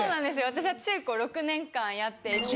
私は中・高６年間やっていて。